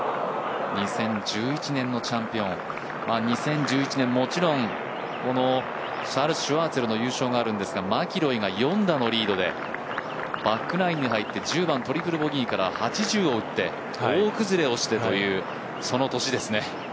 ２０１１年のチャンピオン２０１１年、もちろんシャール・シュワーツェルの優勝があるんですがマキロイが４打のリードでバックナインに入って１０番トリプルボギーから８番を打って、大崩れをしてという。